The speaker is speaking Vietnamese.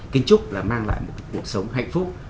kiến trúc là mang lại một cuộc sống hạnh phúc